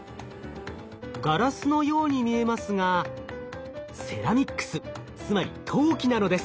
ガラスのように見えますがセラミックスつまり陶器なのです。